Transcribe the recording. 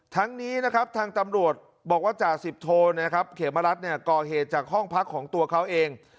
ทั้งนี้นะครับทางตำรวจบอกว่าจ่าสิบโทนะครับเขมรัฐก่อเหตุจากห้องพักของตัวเขาเอง